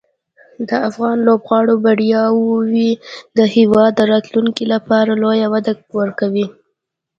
د افغان لوبغاړو بریاوې د هېواد د راتلونکي لپاره لویه وده ورکوي.